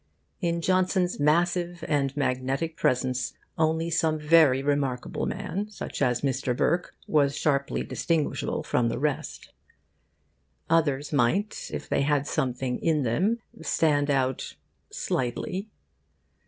In Johnson's massive and magnetic presence only some very remarkable man, such as Mr. Burke, was sharply distinguishable from the rest. Others might, if they had something in them, stand out slightly.